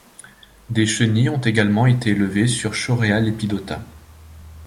Des chenilles ont également été élevées sur Shorea lepidota.